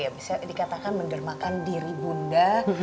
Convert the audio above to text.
ya bisa dikatakan mendermakan diri bunda